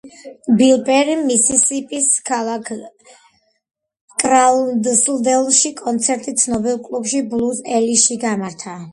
ბილ პერიმ მისისიპის ქალაქ კლარკსდეილში კონცერტი ცნობილ კლუბში ბლუზ ელიში გამართა.